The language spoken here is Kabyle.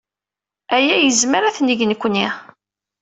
Aya nezmer ad t-neg nekkni.